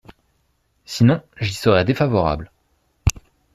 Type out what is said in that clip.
Sinon, j’y serai défavorable.